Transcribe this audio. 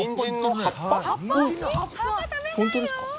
葉っぱ食べないよ！